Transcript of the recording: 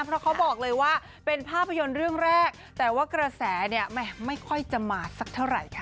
เพราะเขาบอกเลยว่าเป็นภาพยนตร์เรื่องแรกแต่ว่ากระแสเนี่ยไม่ค่อยจะมาสักเท่าไหร่ค่ะ